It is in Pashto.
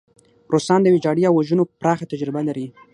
روسان د ویجاړۍ او وژنو پراخه تجربه لري.